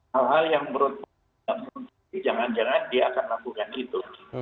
hal hal yang menurut saya jangan jangan dia akan melakukan itu